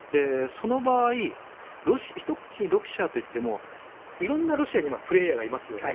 その場合ひと口にロシアと言っても色んなロシアのプレーヤーがいますよね。